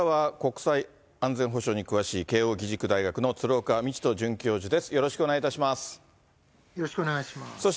国際安全保障に詳しい慶應義塾大学の鶴岡路人准教授です。